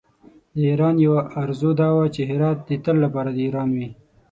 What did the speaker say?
د ایران یوه آرزو دا وه چې هرات د تل لپاره د ایران وي.